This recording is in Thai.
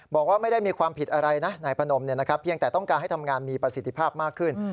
บอกว่าไม่ได้มีความผิดอะไรนะนายพนมเพียงแต่ต้องการให้ทำงานมีประสิทธิภาพมากขึ้น